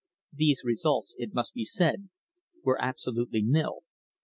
These results, it must be said, were absolutely nil.